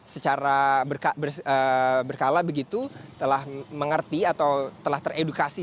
secara berkala begitu telah mengerti atau telah teredukasi